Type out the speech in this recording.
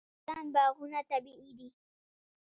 د نورستان باغونه طبیعي دي.